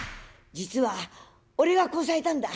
「実は俺がこさえたんだ。